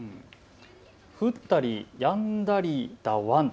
降ったりやんだりだワン。